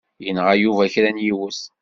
Yenɣa Yuba kra n yiwet.